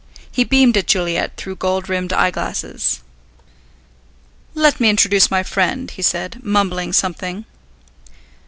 He beamed at Juliet through gold rimmed eyeglasses. "Let me introduce my friend," he said, mumbling something.